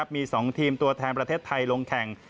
มี๒ทีมตัวแทนประเทศไทยลงแข่ง